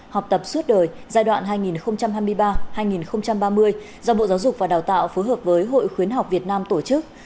học tập suốt đời giai đoạn hai nghìn hai mươi ba hai nghìn ba mươi do bộ giáo dục và đào tạo phối hợp với hội khuyến học việt nam tổ chức